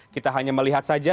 kita hanya melihat saja